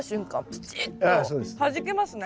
プチッとはじけますね。